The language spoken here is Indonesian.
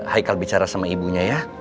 haikal bicara sama ibunya ya